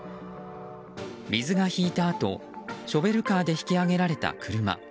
水が引いたあとショベルカーで引き揚げられた車。